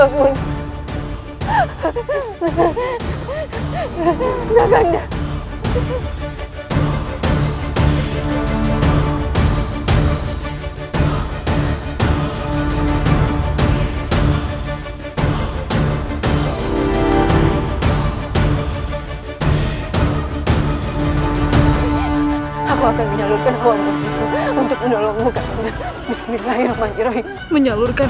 aku akan menyalurkan untuk menolongmu bismillahirrahmanirrahim menyalurkan